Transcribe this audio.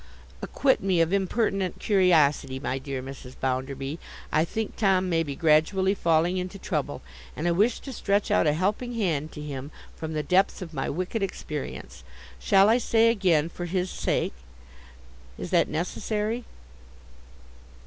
'Acquit me of impertinent curiosity, my dear Mrs. Bounderby. I think Tom may be gradually falling into trouble, and I wish to stretch out a helping hand to him from the depths of my wicked experience.—Shall I say again, for his sake? Is that necessary?